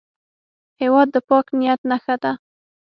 هېواد د پاک نیت نښه ده.